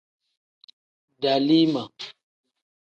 Dalima.